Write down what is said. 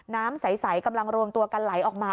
น้ำใสกำลังรวมตัวกันไหลออกมา